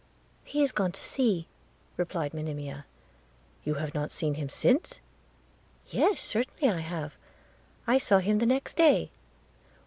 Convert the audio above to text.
'He is gone to sea,' replied Monimia. 'You have not then seen him since?' 'Yes, certainly I have – I saw him the next day.'